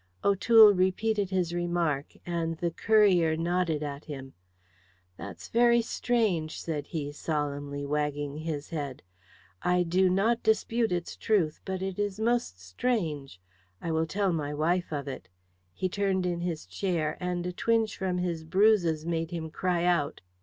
O'Toole repeated his remark, and the courier nodded at him. "That's very strange," said he, solemnly, wagging his head. "I do not dispute its truth, but it is most strange. I will tell my wife of it." He turned in his chair, and a twinge from his bruises made him cry out.